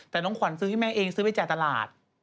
แต่น้องขวัญซื้อให้แม่เองซื้อไปจ่ายตลาด